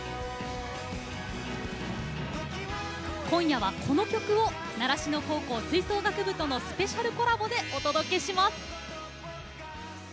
今夜はこの曲を習志野高校吹奏楽部とのスペシャルコラボでお届けします。